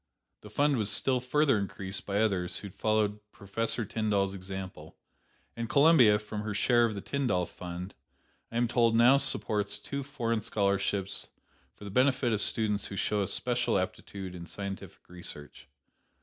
The fund was still further increased by others who followed Professor Tyndall's example, and Columbia, from her share of the Tyndall fund, I am told now supports two foreign scholarships for the benefit of students who show a special aptitude in scientific research.